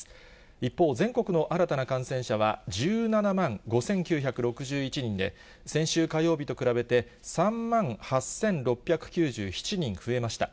一方、全国の新たな感染者は１７万５９６１人で、先週火曜日と比べて３万８６９７人増えました。